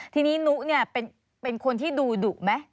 ทีนี้นุเนี่ยเป็นคนที่ดูดุไหม